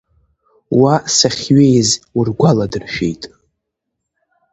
Уа сахьҩеиз ургәаладыршәеит.